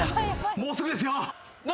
もうすぐですよ。何！？